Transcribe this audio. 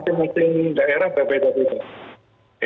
masing masing daerah berbeda beda